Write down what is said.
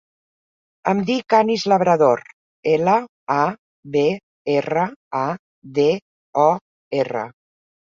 Em dic Anis Labrador: ela, a, be, erra, a, de, o, erra.